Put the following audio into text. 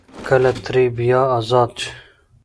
کله ترې بيا ازاد شي ـ